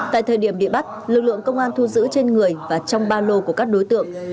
tại thời điểm bị bắt lực lượng công an thu giữ trên người và trong ba lô của các đối tượng